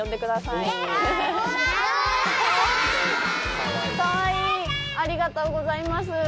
かわいいありがとうございます。